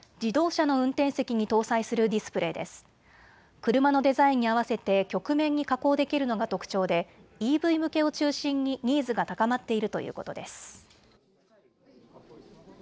車のデザインに合わせて曲面に加工できるのが特徴でＥＶ向けを中心にニーズが高まっているということです。